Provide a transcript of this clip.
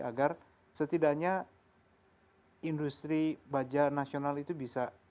agar setidaknya industri baja nasional itu bisa